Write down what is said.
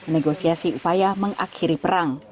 negosiasi upaya mengakhiri perang